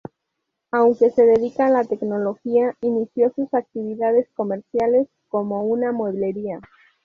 Aunque se dedica a la tecnología, inició sus actividades comerciales como una mueblería.